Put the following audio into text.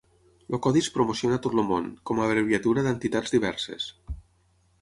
El codi es promociona a tot el món, com a abreviatura d'entitats diverses.